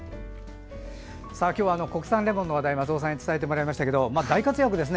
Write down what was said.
今日は国産レモンの話題を松尾さんに伝えてもらいましたが大活躍ですね